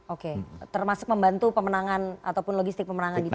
oke termasuk membantu pemenangan ataupun logistik pemenangan di tahun ini